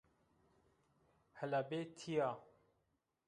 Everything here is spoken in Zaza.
Hela bê tîya